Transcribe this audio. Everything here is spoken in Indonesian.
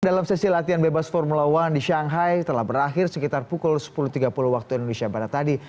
dalam sesi latihan bebas formula one di shanghai telah berakhir sekitar pukul sepuluh tiga puluh waktu indonesia barat tadi